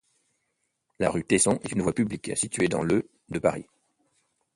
La rue Tesson est une voie publique située dans le de Paris.